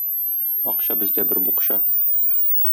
Акча бездә бер букча.